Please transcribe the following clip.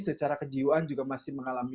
secara kejiwaan juga masih mengalami